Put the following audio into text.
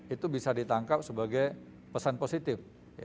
itu bisa ditangkap sebagai pesan positif